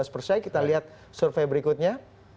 lima belas persen kita lihat survei berikutnya